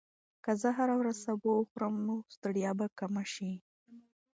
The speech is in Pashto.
که زه هره ورځ سبو وخورم، نو ستړیا به کمه شي.